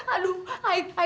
aduh ay takut